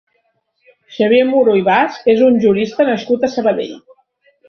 Xavier Muro i Bas és un jurista nascut a Sabadell.